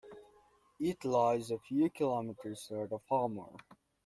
It lies a few kilometres north of Hamar.